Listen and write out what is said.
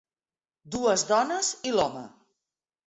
Dues dones i l'home.